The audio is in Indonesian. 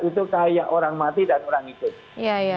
itu kayak orang mati dan orang ikut